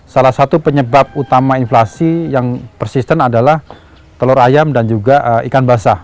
salah satu penyebab utama inflasi yang persisten adalah telur ayam dan juga ikan basah